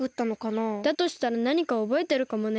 だとしたらなにかおぼえてるかもね。